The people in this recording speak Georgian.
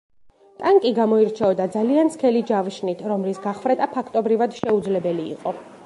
ტანკი გამოირჩეოდა ძალიან სქელი ჯავშნით, რომლის გახვრეტა ფაქტობრივად შეუძლებელი იყო.